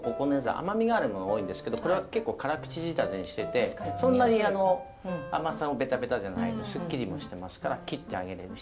甘みがあるのが多いんですけどこれは結構辛口仕立てにしててそんなに甘さもべたべたじゃないすっきりもしてますから切ってあげれるし。